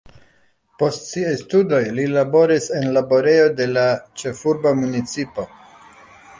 Post siaj studoj li laboris en laborejo de la ĉefurba municipo.